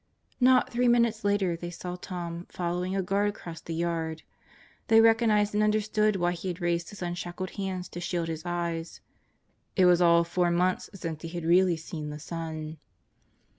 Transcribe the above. Not three minutes later they saw Tom following a guard across the yard. They recognized and understood why he raised his unshackled hands to shield his eyes. It was all of four months since he had really seen the sun.